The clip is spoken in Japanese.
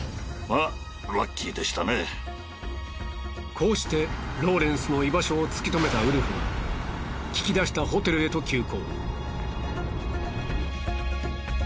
こうしてローレンスの居場所を突き止めたウルフは聞き出したホテルへと急行。